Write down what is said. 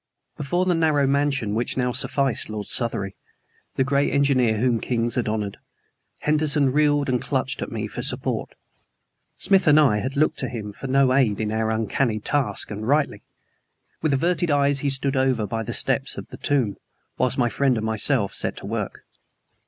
Before the narrow mansion which now sufficed Lord Southery, the great engineer whom kings had honored, Henderson reeled and clutched at me for support. Smith and I had looked to him for no aid in our uncanny task, and rightly. With averted eyes he stood over by the steps of the tomb, whilst my friend and myself set to work.